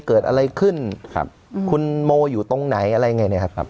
เกิดอะไรขึ้นครับคุณโมอยู่ตรงไหนอะไรอย่างเงี้ยนะครับครับ